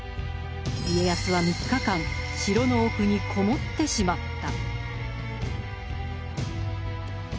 家康は３日間城の奥に籠もってしまった。